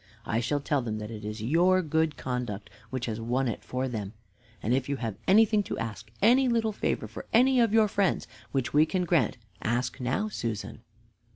I shall tell them that it is your good conduct which has won it for them; and if you have anything to ask, any little favor for any of your friends, which we can grant, ask now, Susan."